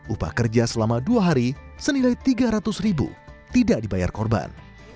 upah kerja selama dua hari senilai tiga ratus ribu tidak dibayar korban